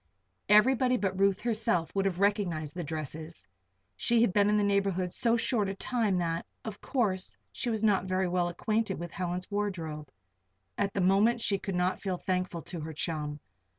Everybody but Ruth herself would have recognized the dresses; she had been in the neighborhood so short a time that, of course, she was not very well acquainted with Helen's wardrobe. At the moment she could not feel thankful to her chum.